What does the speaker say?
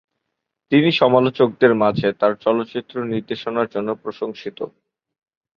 তিনি সমালোচকদের মাঝে তার চলচ্চিত্র নির্দেশনার জন্য প্রশংসিত।